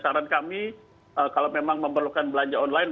saran kami kalau memang memerlukan belanja online